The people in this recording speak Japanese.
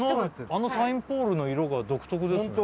あのサインポールの色が独特ですね